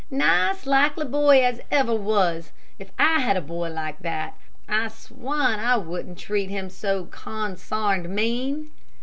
"Nice, likely boy as ever was. If I had a boy like that, I swan I wouldn't treat him so con sarned mean!"